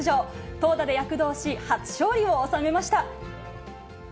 投打で躍動し、初勝利を収めました。